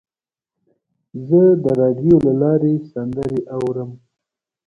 زه د راډیو له لارې سندرې اورم.